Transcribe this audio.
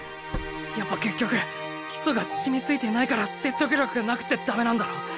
やっぱ結局基礎が染みついてないから説得力がなくってダメなんだろ？